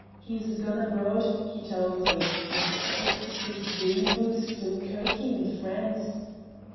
He's gaun abroad, he tells me, and settles to sit doon aboot Dunkerque in France.